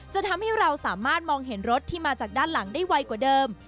จะทำให้เราสามารถมองเห็นรถที่มาจากด้านหลังได้ไวกว่าเดิม